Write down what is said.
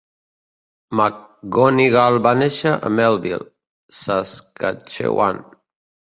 McGonigal va néixer a Melville, Saskatchewan.